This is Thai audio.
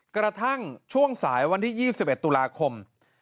กระทั่งช่วงสายวันที่๒๑ตุลาคม